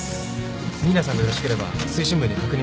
新名さんがよろしければ推進部に確認回します。